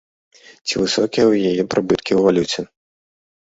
Ці высокія ў яе прыбыткі ў валюце?